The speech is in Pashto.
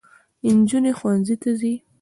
نجوني ښوونځۍ ته ځي